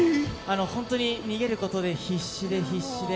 本当に逃げることで必死で必死で。